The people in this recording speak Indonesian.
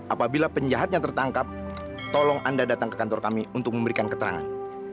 apabila penjahatnya tertangkap tolong anda datang ke kantor kami untuk memberikan keterangan